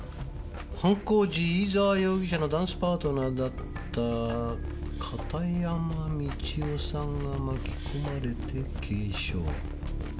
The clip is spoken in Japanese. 「犯行時飯沢容疑者のダンスパートナーであった片山美千代さんが巻き込まれて軽傷」。